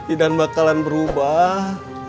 idan bakalan berubah